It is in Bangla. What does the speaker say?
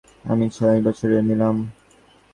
আমি ছয় বছরের ছিলাম।